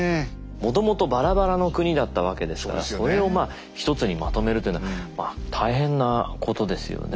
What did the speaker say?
もともとバラバラの国だったわけですからそれを一つにまとめるというのは大変なことですよね。